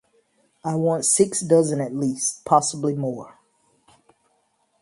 I want six dozen at least; possibly more.